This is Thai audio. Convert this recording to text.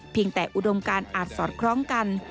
แต่อุดมการอาจสอดคล้องกัน